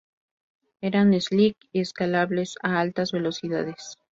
Eran "slick" y escalables a altas velocidades.